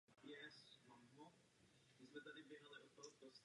Dává jim i adresu místa rituálu.